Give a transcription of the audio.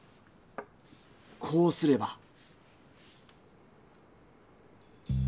こうすれば。